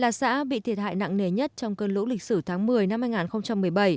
là xã bị thiệt hại nặng nề nhất trong cơn lũ lịch sử tháng một mươi năm hai nghìn một mươi bảy